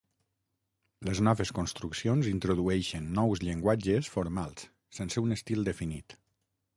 Les noves construccions introdueixen nous llenguatges formals, sense un estil definit.